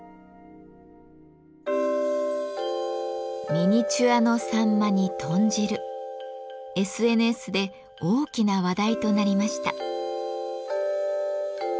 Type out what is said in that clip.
ミニチュアのサンマに豚汁ＳＮＳで大きな話題となりました。